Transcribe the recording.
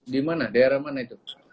di mana daerah mana itu